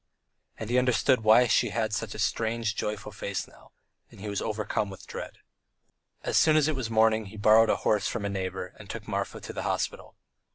And he understood why she had such a strange, joyful face now, and he was overcome with dread. As soon as it was morning he borrowed a horse from a neighbour and took Marfa to the hospital.